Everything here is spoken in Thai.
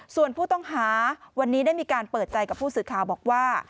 ส่วนผู้ต้องหาวันนี้ได้มีการเปิดใจกับผู้สื่อข่าวบอกว่า